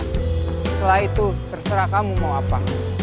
setelah itu terserah kamu mau apa